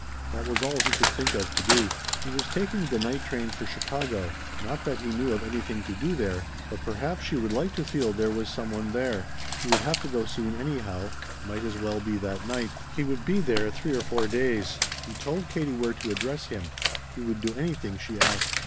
That was all he could think of to do. He was taking the night train for Chicago not that he knew of anything to do there, but perhaps she would like to feel there was some one there. He would have to go soon anyhow might as well be that night. He would be there three or four days. He told Katie where to address him. He would do anything she asked.